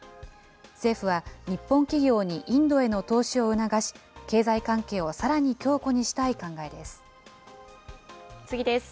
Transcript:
政府は日本企業にインドへの投資を促し、経済関係をさらに強固に次です。